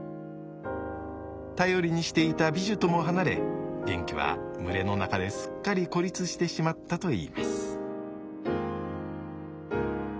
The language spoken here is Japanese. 頼りにしていたビジュとも離れゲンキは群れの中ですっかり孤立してしまったといいます。